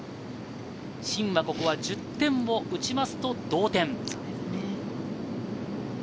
シンは、ここは１０点を撃ちますと同点。